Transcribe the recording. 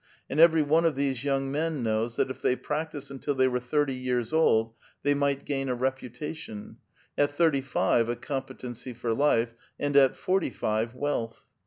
And every one of these young men knows tiiat if they practised until they were thirty years old, they might gain a reputation ; at thirty five, a comi)etency for life ; and at forty five, wealth.